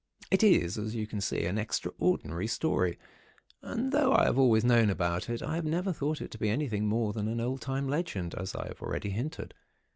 "It is, as you can see, an extraordinary story, and though I have always known about it, I have never thought it to be anything more than old time legend, as I have already hinted.